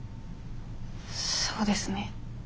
そうですね